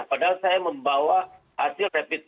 padahal saya membawa hasil rapid